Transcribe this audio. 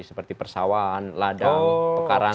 seperti persawan ladang pekarangan